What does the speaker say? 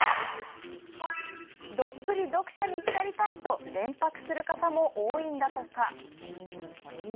どっぷり読書に浸りたい！と連泊する方も多いのだとか。